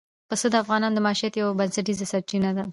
پسه د افغانانو د معیشت یوه بنسټیزه سرچینه ده.